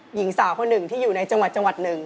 หญิงสาวคนหนึ่งที่อยู่ในจังหวัดหนึ่ง